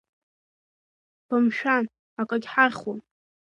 Бымшәан, акагь ҳахьуам!